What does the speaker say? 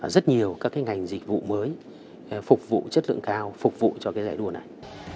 rất nhiều các ngành dịch vụ mới phục vụ chất lượng cao phục vụ cho giải đua này